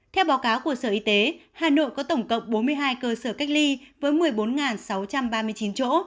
theo báo cáo của sở y tế hà nội có tổng cộng bốn mươi hai cơ sở cách ly với một mươi bốn sáu trăm ba mươi chín chỗ